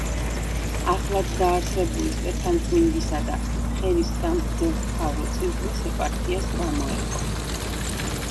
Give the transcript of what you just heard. ახლადდაარსებული სტეფანწმინდისა და ხევის სამღვდელმთავრო წილკნის ეპარქიას გამოეყო.